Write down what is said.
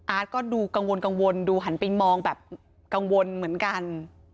ก็ดูกังวลกังวลดูหันไปมองแบบกังวลเหมือนกัน